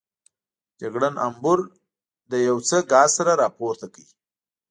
جګړن امبور له یو څه ګاز سره راپورته کړ.